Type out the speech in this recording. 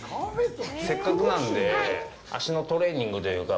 せっかくなんで足のトレーニングというか。